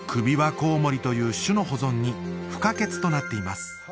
コウモリという種の保存に不可欠となっています